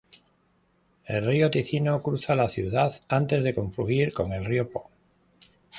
El río Ticino cruza la ciudad, antes de confluir con el río Po.